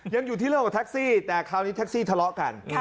ยังอยู่ที่เรื่องของแท็กซี่แต่คราวนี้แท็กซี่ทะเลาะกัน